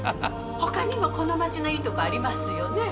ほかにもこの町のいいとこありますよね？